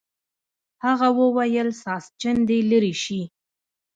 هغه وویل ساسچن دې لرې شي.